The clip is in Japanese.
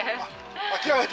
諦めて？